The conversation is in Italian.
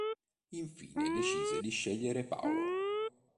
Infine decise di scegliere Paolo.